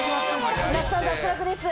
那須さん脱落です。